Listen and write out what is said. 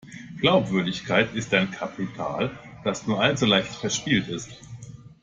Glaubwürdigkeit ist ein Kapital, das nur allzu leicht verspielt ist.